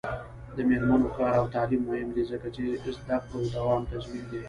د میرمنو کار او تعلیم مهم دی ځکه چې زدکړو دوام تضمین دی.